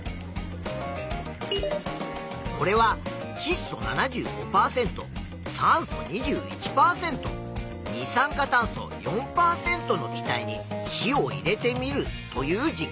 これはちっ素７５％酸素２１％二酸化炭素４％の気体に火を入れてみるという実験。